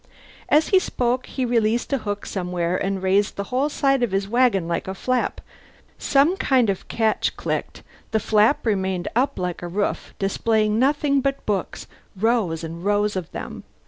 As he spoke he released a hook somewhere, and raised the whole side of his wagon like a flap. Some kind of catch clicked, the flap remained up like a roof, displaying nothing but books rows and rows of them.